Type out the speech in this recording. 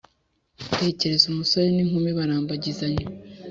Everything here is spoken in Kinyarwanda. Tekereza umusore n inkumi barambagizanya